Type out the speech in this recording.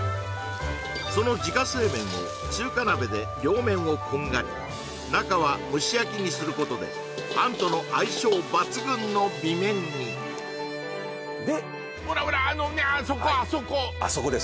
その自家製麺を中華鍋で両面をこんがり中は蒸し焼きにすることで餡との相性抜群の美麺にでほらほらあそこあそこあそこです